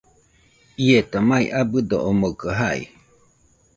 Ieta mai abɨdo omoɨko jai.